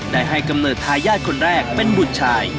ได้ให้กำเนิดทายาทคนแรกเป็นบุตรชาย